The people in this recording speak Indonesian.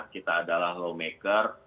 kita adalah lawmaker